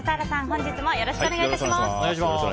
本日もよろしくお願い致します。